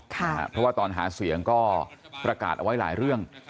เพราะว่าตอนหาเสียงก็ประกาศเอาไว้หลายเรื่อง